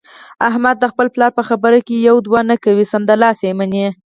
احمد د خپل پلار په خبره کې یوه دوه نه کوي، سمدلاسه یې مني.